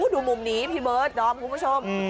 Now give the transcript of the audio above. ดูมุมนี้บาทรอบคุณผู้ชม